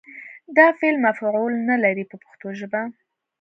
دا فعل مفعول نه لري په پښتو ژبه.